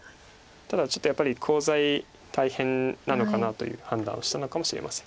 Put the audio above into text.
ただちょっとやっぱりコウ材大変なのかなという判断をしたのかもしれません。